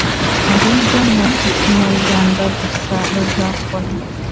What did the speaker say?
abiga mu Ikinya-Rwanda gusa bazakora